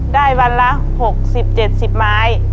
วันละ๖๐๗๐ไม้